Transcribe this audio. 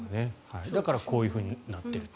だからこういうふうになっていると。